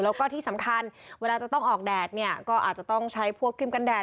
แล้วก็ที่สำคัญเวลาจะต้องออกแดดเนี่ยก็อาจจะต้องใช้พวกคริมกันแดด